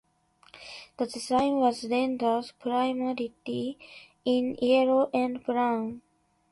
The design was rendered primarily in yellow and brown.